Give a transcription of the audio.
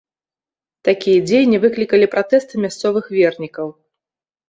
Такія дзеянні выклікалі пратэсты мясцовых вернікаў.